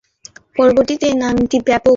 পরবর্তীতে এ নামটি ব্যাপক প্রসিদ্ধি লাভ করে।